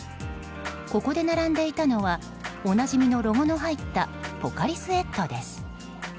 ここで並んでいたのはおなじみのロゴの入ったポカリスエットです。